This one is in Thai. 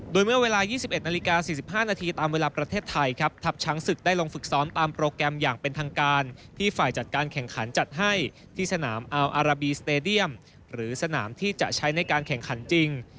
โดยเมื่อเวลา๒๑นาฬิกา๔๕นาทีตามเวลาประเทศไทยครับทัพช้างศึกได้ลงฝึกซ้อมตามโปรแกรมอย่างเป็นทางการที่ฝ่ายจัดการแข่งขันจัดให้ที่สนามอัลอาราบีสเตดียมหรือสนามที่จะใช้ในการแข่งขันจริง